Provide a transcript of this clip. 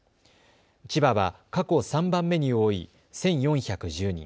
千葉は過去３番目に多い１４１０人。